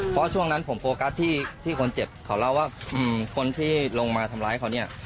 เพราะช่วงนั้นผมโฟกัสที่คนเจ็บเขาเล่าว่าคนที่ลงมาทำร้ายเขาเนี่ย